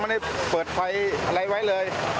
ไม่ได้เปิดไฟอะไรไว้เลย